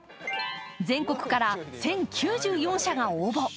全国から１０９４社が応募。